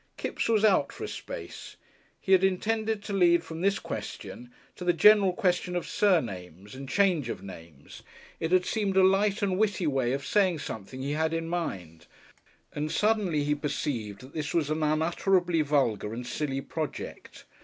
Kipps was out for a space. He had intended to lead from this question to the general question of surnames and change of names; it had seemed a light and witty way of saying something he had in mind, and suddenly he perceived that this was an unutterably vulgar and silly project.